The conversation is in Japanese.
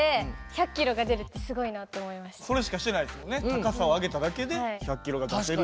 高さを上げただけで１００キロが出せると。